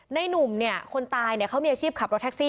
หนุ่มเนี่ยคนตายเขามีอาชีพขับรถแท็กซี่